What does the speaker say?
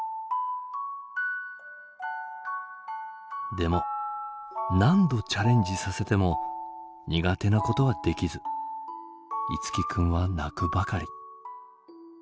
でも何度チャレンジさせても苦手なことはできず樹君は泣くばかり。